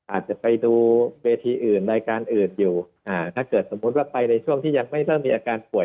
อาจจะไปดูเวทีอื่นรายการอื่นอยู่ถ้าเกิดสมมุติว่าไปในช่วงที่ยังไม่เริ่มมีอาการป่วย